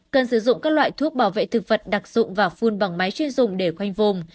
cần sử dụng các loại thuốc bảo vệ thực vật đặc dụng và phun bằng máy chuyên dùng để khoanh vùng